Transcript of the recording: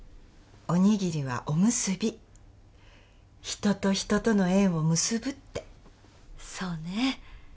おにぎりはお結び人と人との縁を結ぶってそうね